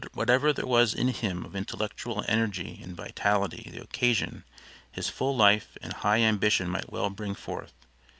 Whatever there was in him of intellectual energy and vitality the occasion, his full life and high ambition might well bring forth.